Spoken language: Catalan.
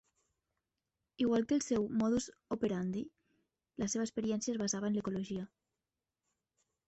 Igual que el seu modus operandi, la seva experiència es basava en l'ecologia.